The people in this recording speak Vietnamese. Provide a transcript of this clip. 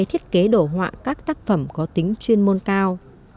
thiết kế đồ họa các tác phẩm có tính chuyên môn cao